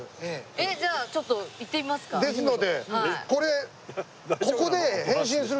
えっじゃあちょっと行ってみますか？でしょ？